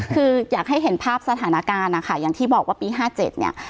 คืออยากให้เห็นภาพสถานการณ์นะคะอย่างที่บอกว่าปี๕๗เนี่ย